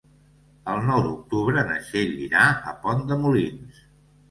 El nou d'octubre na Txell irà a Pont de Molins.